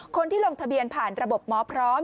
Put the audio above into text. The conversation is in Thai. คนที่ลงทะเบียนผ่านระบบหมอพร้อม